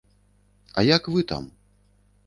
А як вы там?